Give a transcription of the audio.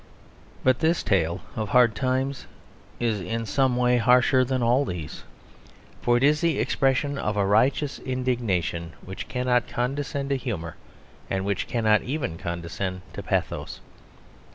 But this tale of Hard Times is in some way harsher than all these. For it is the expression of a righteous indignation which cannot condescend to humour and which cannot even condescend to pathos.